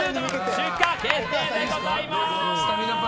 出荷決定でございます！